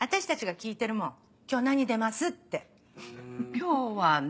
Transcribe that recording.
今日はね